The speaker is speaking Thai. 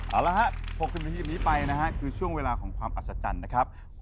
เอาละฮะ๖๐นาทีนี้ไปนะฮะคือช่วงเวลาของความอัศจรรย์นะครับ